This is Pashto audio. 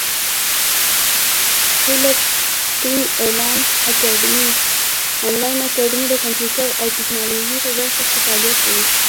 هیله ټېک انلاین اکاډمي د کامپیوټر او ټبکنالوژۍ په برخه کې فعالیت کوي.